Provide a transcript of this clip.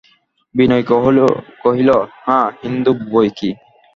বিনয় কহিল, হাঁ, হিন্দু বৈকি।